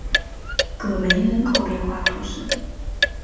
戈梅人口变化图示